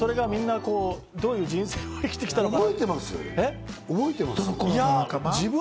それがみんな、どういう人生を生きてきたのか。